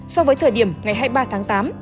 so với thời điểm ngày hai mươi ba tháng tám